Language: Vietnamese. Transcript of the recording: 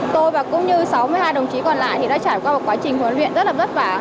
tôi và cũng như sáu mươi hai đồng chí còn lại thì đã trải qua một quá trình huấn luyện rất là vất vả